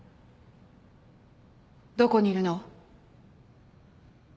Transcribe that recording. どこにいるの？